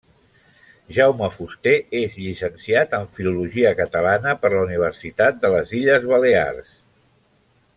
Jaume Fuster és llicenciat en Filologia Catalana per la Universitat de les Illes Balears.